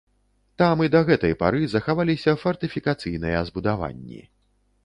Там і да гэтай пары захаваліся фартыфікацыйныя збудаванні.